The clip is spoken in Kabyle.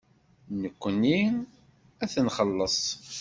Nekkni ad t-nxelleṣ.